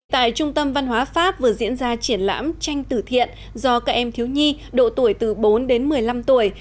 tại trung tâm văn hóa pháp vừa diễn ra triển lãm tranh tử thiện do các em thiếu nhi độ tuổi từ bốn đến một mươi năm tuổi